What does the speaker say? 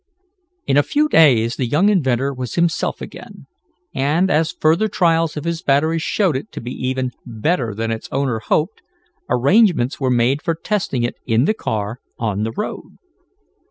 In a few days the young inventor was himself again, and as further trials of his battery showed it to be even better than its owner hoped, arrangements were made for testing it in the car on the road.